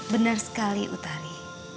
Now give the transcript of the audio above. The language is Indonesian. benar sekali utari